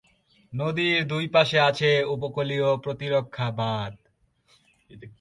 নদীর দুই পাশে আছে উপকূলীয় প্রতিরক্ষা বাঁধ।